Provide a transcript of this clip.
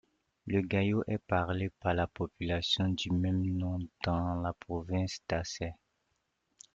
Le gayo est parlé par la population du même nom, dans la province d'Aceh.